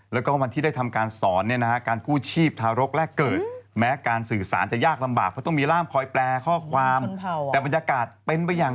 แล้วหมอตำแยจะทำตามเขาไหม